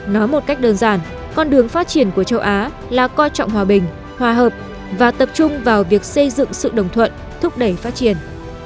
nói một cách đơn giản con đường phát triển của châu á là coi trọng hòa bình hòa hợp và tập trung vào việc xây dựng sự đồng thuận thúc đẩy phát triển